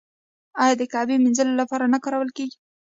آیا د کعبې مینځلو لپاره نه کارول کیږي؟